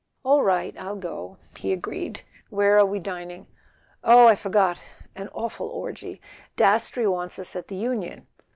"All right; I'll go " he agreed. "Where are we dining ?" "Oh, I forgot—an awful orgy. Dastrey wants us at the Union.